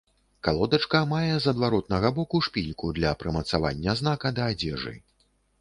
Калодачка мае з адваротнага боку шпільку для прымацавання знака да адзежы.